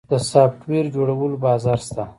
د سافټویر جوړولو بازار شته؟